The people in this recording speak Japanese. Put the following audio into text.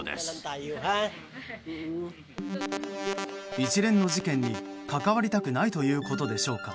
一連の事件に関わりたくないということでしょうか。